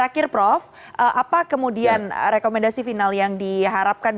konsekuensi final yang diharapkan